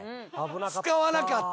使わなかった。